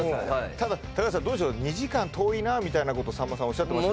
ただ高橋さんどうしよう２時間遠いなみたいなことさんまさんおっしゃってました